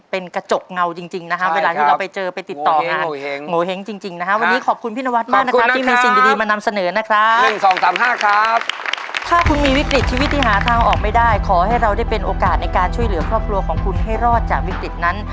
เป็นกระจกเงาจริงนะครับเวลาที่เราไปเจอไปติดต่อหงวเหง